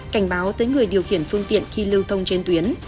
cảnh báo tới người điều khiển phương tiện khi lưu thông trên tuyến